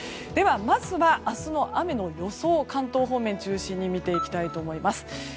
では、まずは明日の雨の予想を関東方面を中心に見ていきたいと思います。